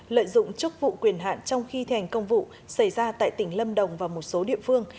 lợi dụng chức vụ quyền hạn trong khi thành công vụ xảy ra tại tỉnh lâm đồng và một số địa phương